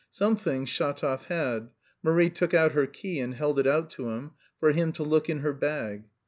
Some things Shatov had. Marie took out her key and held it out to him, for him to look in her bag.